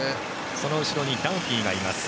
その後ろにダンフィーがいます。